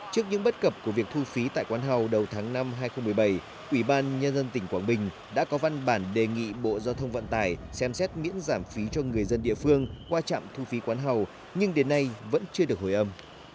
trước những bất cập của việc thu phí tại quán hầu đầu tháng năm hai nghìn một mươi bảy ủy ban nhân dân tỉnh quảng bình đã có văn bản đề nghị bộ giao thông vận tải xem xét miễn giảm phí cho người dân địa phương qua trạm thu phí quán hầu nhưng đến nay vẫn chưa được hồi âm